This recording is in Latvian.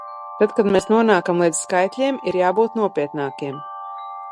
Tad, kad mēs nonākam līdz skaitļiem, ir jābūt nopietnākiem!